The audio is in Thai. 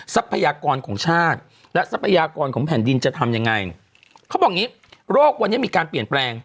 ทรัพยากรของชาติและทรัพยากรของแผ่นดินจะทำอย่างไร